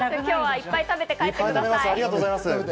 今日はいっぱい食べて帰ってください。